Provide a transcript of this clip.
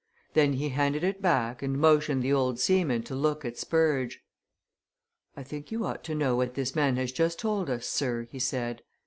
Then he handed it back and motioned the old seaman to look at Spurge. "I think you ought to know what this man has just told us, sir," he said.